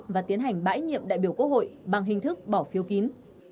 và tiến hành bãi nhiệm đại biểu quốc hội bằng hình thức bỏ phiếu kín